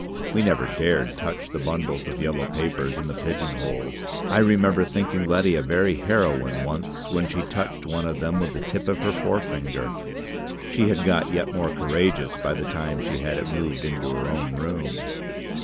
We never dared touch the bundles of yellow papers in the pigeon holes. I remember thinking Letty a very heroine once when she touched one of them with the tip of her forefinger. She had got yet more courageous by the time she had it moved into her own room.